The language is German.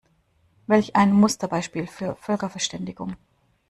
Welch ein Musterbeispiel für Völkerverständigung!